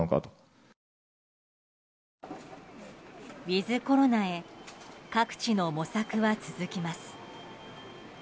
ウィズコロナへ各地の模索は続きます。